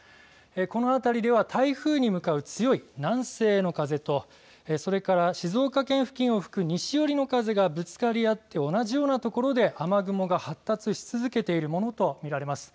このあたりでは台風に向かう強い南西の風とそれから静岡県付近を吹く西寄りの風がぶつかり合って同じような所で雨雲が発達し続けているものと見られます。